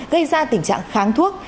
gây ra tình trạng kháng thuốc